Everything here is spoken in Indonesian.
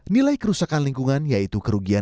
nilai kerusakan lingkungan yaitu kerugian